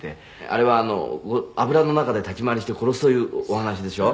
「あれは油の中で立ち回りして殺すというお話でしょ？」